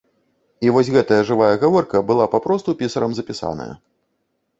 І вось гэтая жывая гаворка была папросту пісарам запісаная.